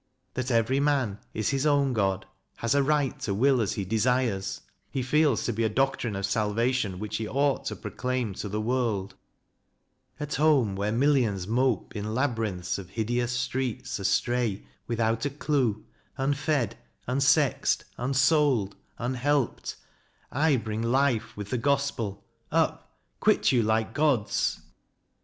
That every man is his own God, has a right to will as he desires, he feels to be a doctrine of salvation, which he ought to pro claim to the world : At home, where millions mope, in labyrinths Of hideous streets astray without a clue, Unfed, unsexed, unsoulled, unhelped, I bring Life, with the Gospel Up, quit you like Gods.